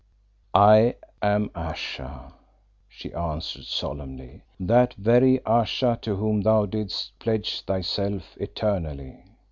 "I am Ayesha" she answered solemnly, "that very Ayesha to whom thou didst pledge thyself eternally."